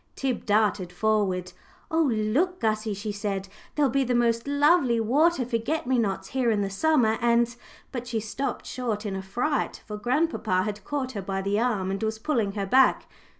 Tib darted forward. "Oh, look, Gussie," she said, "there'll be the most lovely water forget me nots here in the summer, and " But she stopped short in a fright, for grandpapa had caught her by the arm and was pulling her back.